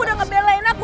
udah ngebelain aku